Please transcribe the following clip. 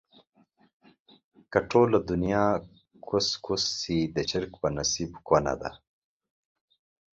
که ټوله دنياکوس ونسي ، د چرگ په نصيب کونه ده